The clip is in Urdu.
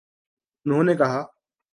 انہوں نے کہا